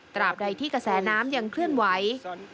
ตราบใดที่กระแสน้ำยังเคลื่อนไหว